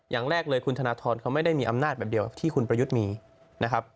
อย่างแรกเลยคุณธนทรเขาไม่ได้มีอำนาจแบบเดียวที่คุณประยุทธ์มีนะครับ